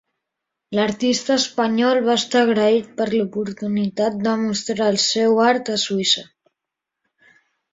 L'artista espanyol va estar agraït per l'oportunitat de mostrar el seu art a Suïssa.